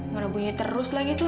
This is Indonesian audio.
mana bunyi terus lagi itu